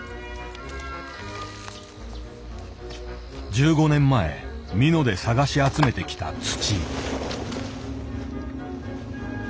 １５年前美濃で探し集めてきた土。